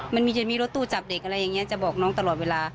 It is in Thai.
จะมีรถตู้จับเด็กอะไรอย่างนี้จะบอกน้องตลอดเวลา